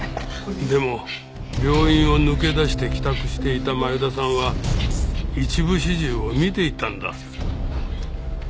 でも病院を抜け出して帰宅していた前田さんは一部始終を見ていたんだ。